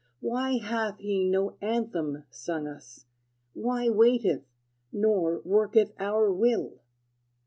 Why hath he no anthem sung us, Why waiteth, nor worketh our will?